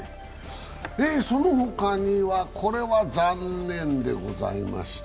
その他には、これは残念でございました。